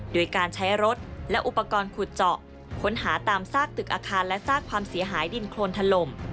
โดยการใช้รถและอุปกรณ์ขุดเจาะค้นหาตามซากตึกอาคารและซากความเสียหายดินโครนถล่ม